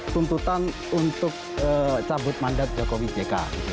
tuntutan untuk cabut mandat ke covid jk